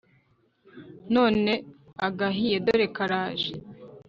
None agahiye dore karaje